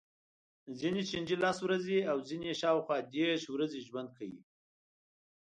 ځینې چینجي لس ورځې او ځینې یې شاوخوا دېرش ورځې ژوند کوي.